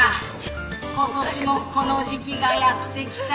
今年もこの時期がやってきた。